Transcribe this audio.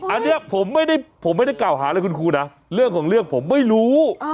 อันนี้ผมไม่ได้กล่าวหาอะไรคุณครูนะเรื่องของเรื่องผมไม่รู้